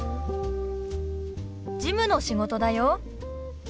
事務の仕事だよ。